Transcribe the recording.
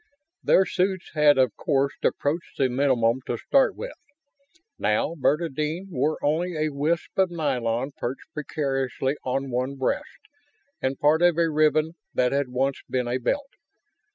Their suits had of course approached the minimum to start with. Now Bernadine wore only a wisp of nylon perched precariously on one breast and part of a ribbon that had once been a belt.